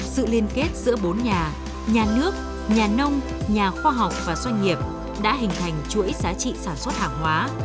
sự liên kết giữa bốn nhà nhà nước nhà nông nhà khoa học và doanh nghiệp đã hình thành chuỗi giá trị sản xuất hàng hóa